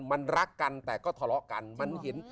มันรักกันแต่ก็ทะเลาะกัน